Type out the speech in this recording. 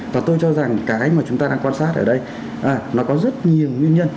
và tôi cho rằng cái mà chúng ta đang quan sát ở đây nó có rất nhiều nguyên nhân